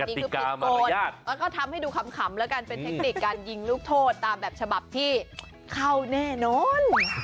นี่คือผิดกฎแล้วก็ทำให้ดูขำแล้วกันเป็นเทคนิคการยิงลูกโทษตามแบบฉบับที่เข้าแน่นอน